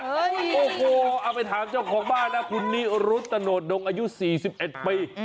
โอ้โหเอาไปถามเจ้าของบ้านนะคุณนิรุธตะโนดงอายุ๔๑ปี